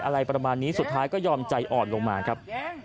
อะไรประมาณนี้สุดท้ายก็ยอมใจอ่อนลงมาครับ